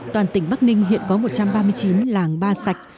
toàn tỉnh bắc ninh hiện có một trăm ba mươi chín làng ba sạch